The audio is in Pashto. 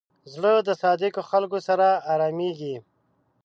زړه د صادقو خلکو سره آرامېږي.